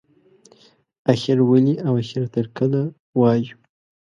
اخر ولې او اخر تر کله وایو.